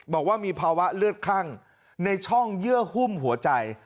บอกว่ามีภาวะเลือดคั่งในช่องเยื่อหุ้มหัวใจ